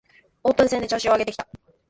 オープン戦で調子を上げてきた